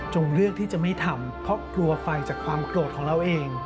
เลือกที่จะไม่ทำเพราะกลัวไฟจากความโกรธของเราเอง